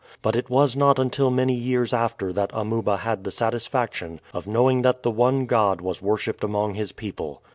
But it was not until many years after that Amuba had the satisfaction of knowing that the one God was worshiped among his people.